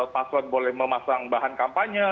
paslon boleh memasang bahan kampanye